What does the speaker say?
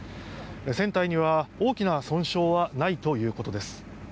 船体には、大きな損傷はないということです。